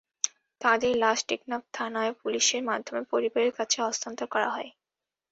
তাঁদের লাশ টেকনাফ থানার পুলিশের মাধ্যমে পরিবারের কাছে হস্তান্তর করা হয়।